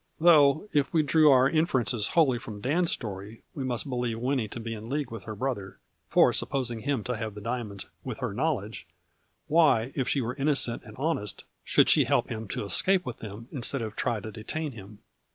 Though, if we drew our inferences wholly from Dan's story, we must believe Winnie to be in league with her brother; for, supposing him to have the diamonds with her knowledge, why, if she were innocent and honest, should she help him to escape with them instead of try to detain him.